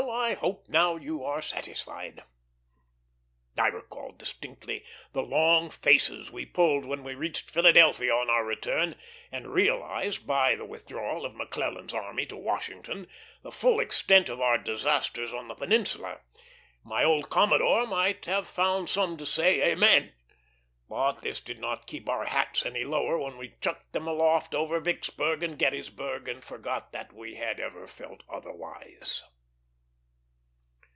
I hope, now, you are satisfied." I recall distinctly the long faces we pulled when we reached Philadelphia on our return, and realized, by the withdrawal of McClellan's army to Washington, the full extent of our disasters on the Peninsula; my old commodore might then have found some to say, Amen. But this did not keep our hats any lower when we chucked them aloft over Vicksburg and Gettysburg, and forgot that we had ever felt otherwise.